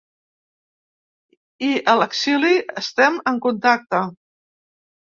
I a l’exili estem en contacte.